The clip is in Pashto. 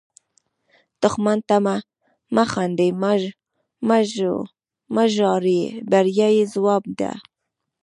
دښمن ته مه خاندئ، مه وژاړئ – بریا یې ځواب ده